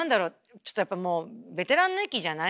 ちょっとやっぱもうベテランの域じゃない？